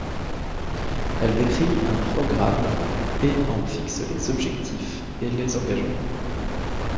Elle décrit un programme et en fixe les objectifs et les engagements.